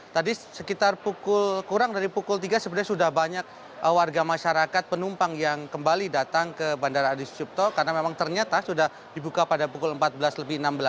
tadi sekitar pukul kurang dari pukul tiga sebenarnya sudah banyak warga masyarakat penumpang yang kembali datang ke bandara adi sucipto karena memang ternyata sudah dibuka pada pukul empat belas lebih enam belas